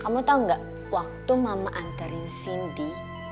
kamu tau gak waktu mama antarin cindy